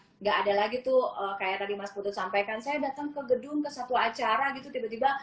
tidak ada lagi tuh kayak tadi mas putut sampaikan saya datang ke gedung ke satu acara gitu tiba tiba